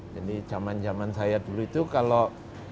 jadi zaman zaman saya dulu itu kalau